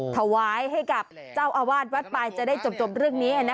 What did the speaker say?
ถวายให้กับเจ้าอาวาสวัดไปจะได้จบเรื่องนี้